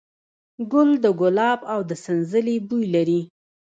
ګل د ګلاب او د سنځلې بوی لري.